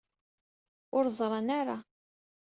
Ur ẓran ara.